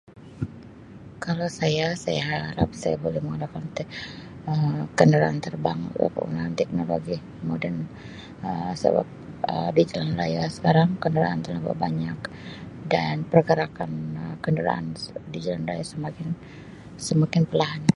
Kalau saya saya harap saya boleh mengadakan tek[Um] kenderaan terbang penggunaan teknologi moden Um sebab Um di jalan raya sekarang kenderaan telampau banyak dan pergerakan Um kenderaan di jalan raya semakin semakin perlahan.